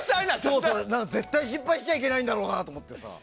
絶対、失敗しちゃいけないんだろうなって思って。